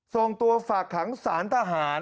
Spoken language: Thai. ส่งตัวฝากขังสารทหาร